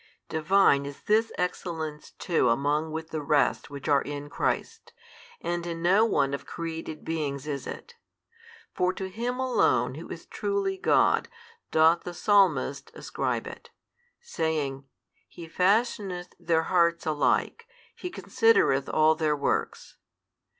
Divine is this excellence too along with the rest which are in Christ, and in no one of created beings is it. For to Him Alone Who is truly God doth the Psalmist ascribe it, saying, He fashioneth their hearts alike, He considereth all |166 their works.